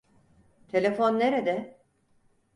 Telefon nerede?